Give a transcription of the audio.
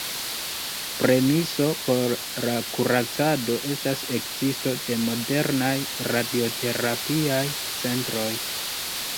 Premiso por la kuracado estas ekzisto de modernaj radioterapiaj centroj.